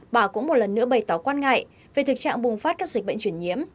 bà cũng một lần nữa bày tỏ quan ngại về thực trạng bùng phát các dịch bệnh truyền nhiễm